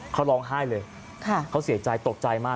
เขาร้องไห้เลยเขาเสียใจตกใจมาก